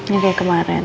ya kayak kemarin